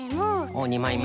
おお２まいめ。